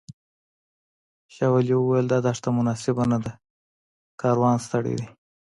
شاولي وویل دا دښته مناسبه نه ده کاروان ستړی دی.